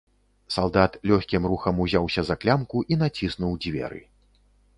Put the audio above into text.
Салдат лёгкім рухам узяўся за клямку і націснуў дзверы.